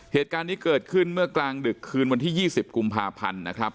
เหตุการณ์นี้เกิดขึ้นเมื่อกลางดึกคืนวันที่๒๐กุมภาพันธ์นะครับ